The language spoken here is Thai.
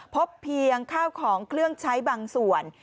พบเพียงข้าวของเครื่องใช้บางส่วน